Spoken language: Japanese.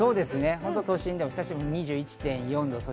都心でも久しぶりに２１．４度。